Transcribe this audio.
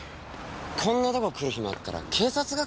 こんなとこ来るヒマがあったら警察学校行けば？